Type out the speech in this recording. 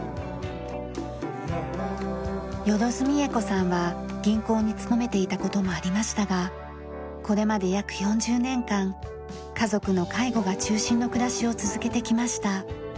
萬美枝子さんは銀行に勤めていた事もありましたがこれまで約４０年間家族の介護が中心の暮らしを続けてきました。